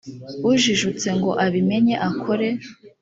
ujijutse ngo abimenye akore